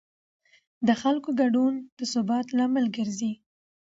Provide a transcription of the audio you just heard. د خلکو ګډون د ثبات لامل ګرځي